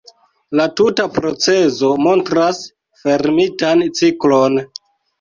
La tuta procezo montras fermitan ciklon.